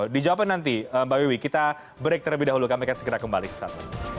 dijawabkan nanti mbak wiwi kita break terlebih dahulu kami akan segera kembali sesaat lagi